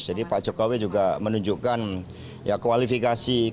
jadi pak jokowi juga menunjukkan kualifikasi kepemimpinan